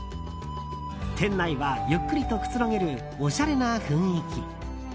店内はゆっくりとくつろげるおしゃれな雰囲気。